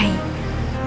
terima kasih gusti